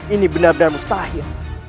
ini benar benar mustahil